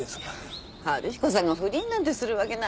春彦さんが不倫なんてするわけないじゃないですか。